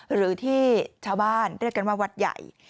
หรือที่ชาวบ้านเรียกกันว่าวัดใหญ่